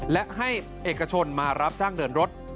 และให้เอกชนมารับจ้างเดินรถ